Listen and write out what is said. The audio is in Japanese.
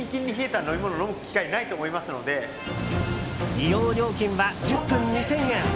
利用料金は１０分２０００円。